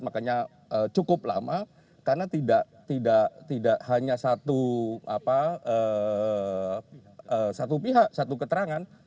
makanya cukup lama karena tidak hanya satu pihak satu keterangan